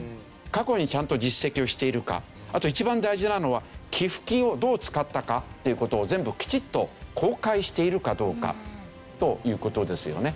過去にちゃんと実績をしているかあと一番大事なのは寄付金をどう使ったかっていう事を全部きちっと公開しているかどうかという事ですよね。